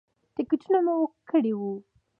ټکټونه مو کړي وو.